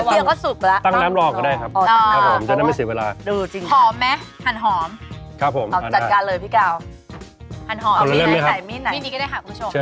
แต่ก็ถือว่าไม่ถนัดมากเพราะว่าช้าเหลือเกิน